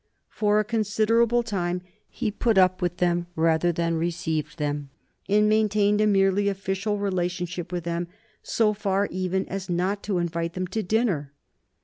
For a considerable time he put up with them rather than received them, and maintained a merely official relationship with them so far even as not to invite them to dinner.